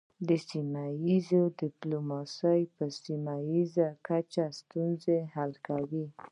سیمه ایز ډیپلوماسي په سیمه ایزه کچه ستونزې حل کوي